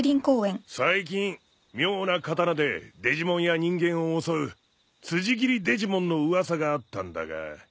最近妙な刀でデジモンや人間を襲う辻斬りデジモンの噂があったんだが。